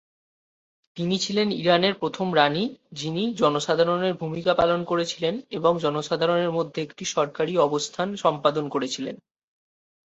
তিনি ছিলেন ইরানের প্রথম রাণী, যিনি জনসাধারণের ভূমিকা পালন করেছিলেন এবং জনসাধারণের মধ্যে একটি সরকারি অবস্থান সম্পাদন করেছিলেন।